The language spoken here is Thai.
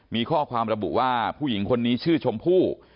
มีข้อความระบุว่าผู้หญิงคนนี้ชื่อชมพู่